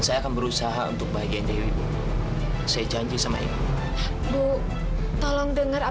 saya akan berusaha untuk bagian dewi saya janji sama ibu bu tolong denger